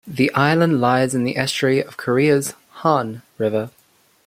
The island lies in the estuary of Korea's Han River.